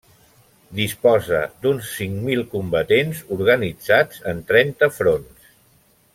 Disposa d'uns cinc mil combatents, organitzats en trenta fronts.